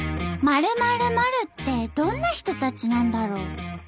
○○○ってどんな人たちなんだろう？